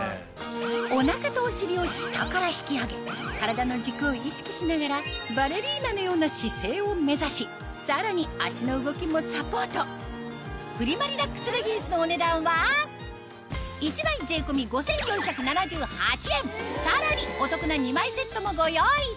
お腹とお尻を下から引き上げ体の軸を意識しながらバレリーナのような姿勢を目指しさらに脚の動きもサポートプリマリラックスレギンスの１枚さらにお得な２枚セットもご用意